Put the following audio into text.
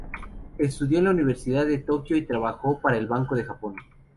Estudió en la Universidad de Tokio y trabajó para el Banco de Japón.